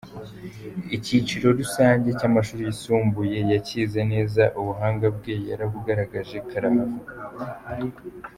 Icyiciro rusange cy’amashuri yisumbuye yacyize neza ubuhanga bwe yarabugaragaje karahava.